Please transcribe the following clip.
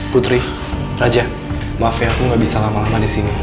putri raja maaf ya aku gak bisa lama lama di sini